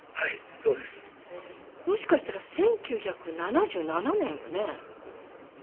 もしかしたら１９７７年よね。